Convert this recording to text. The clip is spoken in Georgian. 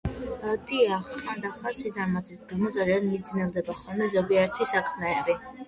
დიახ, ხანდახან სიზარმაცის გამო ძალიან მიძნელდება ხოლმე ზოგიერთი საქმეები.